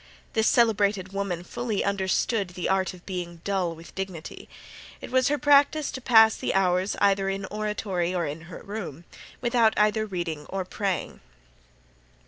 This celebrated woman fully understood the art of being dull with dignity. It was her practice to pass hours either in her oratory or in her room, without either reading or praying.